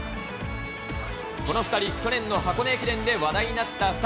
この２人、去年の箱根駅伝で話題になった２人。